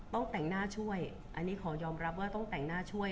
แต่งหน้าช่วยอันนี้ขอยอมรับว่าต้องแต่งหน้าช่วย